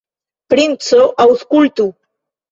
Princo, aŭskultu!